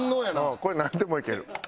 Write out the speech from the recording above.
これなんでもいける。